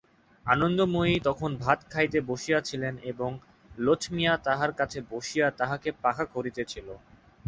আনন্দময়ী তখন ভাত খাইতে বসিয়াছিলেন এবং লছমিয়া তাঁহার কাছে বসিয়া তাঁহাকে পাখা করিতেছিল।